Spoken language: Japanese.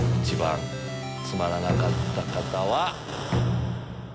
一番つまらなかった方は？